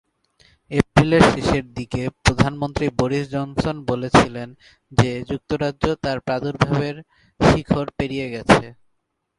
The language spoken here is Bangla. এপ্রিলের শেষের দিকে প্রধানমন্ত্রী বরিস জনসন বলেছিলেন যে যুক্তরাজ্য তার প্রাদুর্ভাবের শিখর পেরিয়ে গেছে।